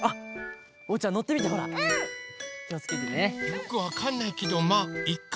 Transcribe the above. よくわかんないけどまあいっか。